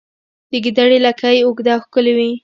د ګیدړې لکۍ اوږده او ښکلې وي